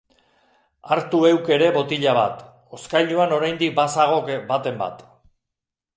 Hartu heuk ere botila bat, hozkailuan oraindik bazagok baten bat.